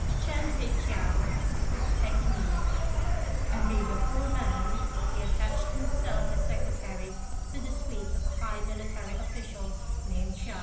Ch'ên Pi chiao was a Pekingese; and being a poor man he attached himself as secretary to the suite of a high military official named Chia.